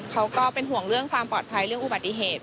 ก็เป็นห่วงเรื่องความปลอดภัยเรื่องอุบัติเหตุ